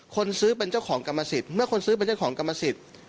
คนซื้อเป็นเจ้าของกรรมสิทธิ์เมื่อคนซื้อเป็นเจ้าของกรรมสิทธิ์